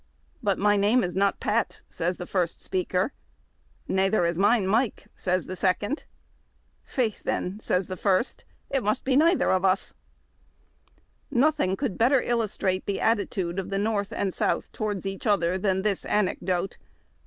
"But my name is not Pat," said the first speaker. " Nather is mine Mike," said the NAYTHEK AV US. 22 HARD TACK AND COFFEE. second. '' Faix, thin," said the first, "it niusht be nayther of us." Nothing could better illustrate the attitude of the North and South towards each other than this anecdote.